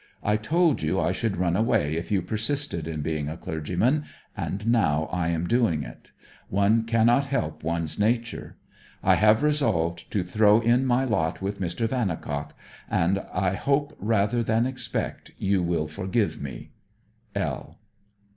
I told you I should run away if you persisted in being a clergyman, and now I am doing it. One cannot help one's nature. I have resolved to throw in my lot with Mr. Vannicock, and I hope rather than expect you will forgive me. L.